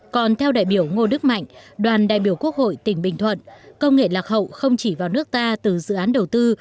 còn theo đại biểu ngô đức mạnh đoàn đại biểu quốc hội tỉnh bình thuận công nghệ lạc hậu không chỉ vào nước ta từ dự án đầu tư